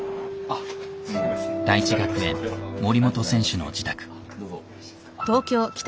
大智学園森本選手の自宅。